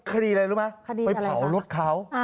คดีอะไรรู้ไหมไปเผารถเขา